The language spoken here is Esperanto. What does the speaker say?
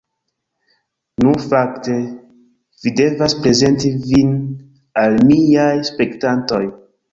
Nu, fakte, vi devas prezenti vin al miaj spektantoj